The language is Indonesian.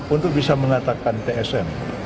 untuk bisa mengatakan tsm